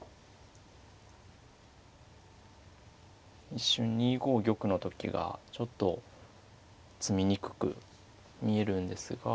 一瞬２五玉の時がちょっと詰みにくく見えるんですが。